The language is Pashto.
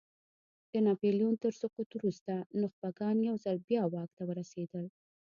د ناپیلیون تر سقوط وروسته نخبګان یو ځل بیا واک ته ورسېدل.